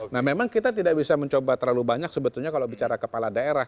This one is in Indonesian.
nah memang kita tidak bisa mencoba terlalu banyak sebetulnya kalau bicara kepala daerah